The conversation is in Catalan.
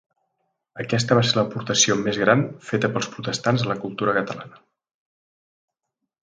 Aquesta va ser l’aportació més gran feta pels protestants a la cultura catalana.